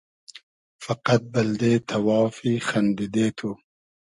فئقئد بئلدې تئوافی خئندیدې تو